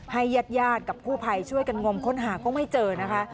ญาติญาติกับกู้ภัยช่วยกันงมค้นหาก็ไม่เจอนะคะ